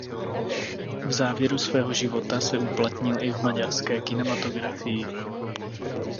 V závěru svého života se uplatnil i v maďarské kinematografii.